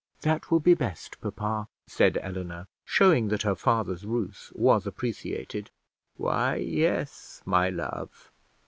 "That will be best, papa," said Eleanor, showing that her father's ruse was appreciated. "Why yes, my love.